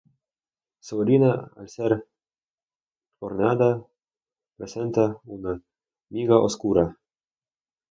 Su harina al ser horneada presenta una miga oscura.